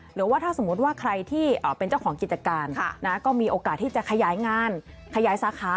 หรือว่าถ้าสมมุติว่าใครที่เป็นเจ้าของกิจการก็มีโอกาสที่จะขยายงานขยายสาขา